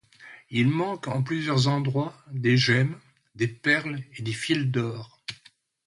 Il manque en plusieurs endroits des gemmes, des perles et des fils d'or.